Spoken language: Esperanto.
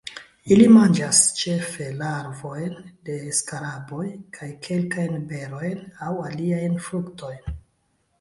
Ili manĝas ĉefe larvojn de skaraboj, kaj kelkajn berojn aŭ aliajn fruktojn.